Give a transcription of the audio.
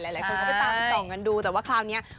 หลายคนก็ไปตามทุกวันดู